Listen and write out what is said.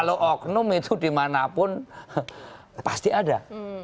dan oknum itu dimanapun pasti ada